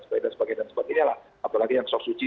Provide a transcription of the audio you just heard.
sebagainya dan sebagainya lah apalagi yang sob suci